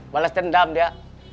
balas dendam dia